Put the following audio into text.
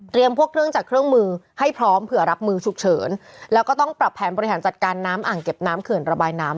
พวกเครื่องจักรเครื่องมือให้พร้อมเผื่อรับมือฉุกเฉินแล้วก็ต้องปรับแผนบริหารจัดการน้ำอ่างเก็บน้ำเขื่อนระบายน้ำ